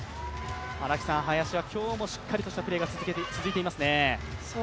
林は今日もしっかりしたプレーが続いていますね。